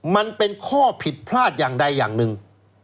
มันเป็นข้อผิดพลาดอย่างใดอย่างหนึ่ง